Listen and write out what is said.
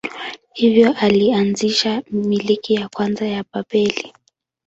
Hivyo alianzisha milki ya kwanza ya Babeli.